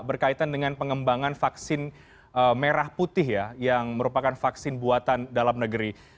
berkaitan dengan pengembangan vaksin merah putih ya yang merupakan vaksin buatan dalam negeri